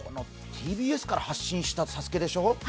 ＴＢＳから発信したＳＡＳＵＫＥでしょう？